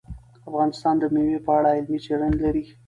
افغانستان د مېوې په اړه علمي څېړنې لري.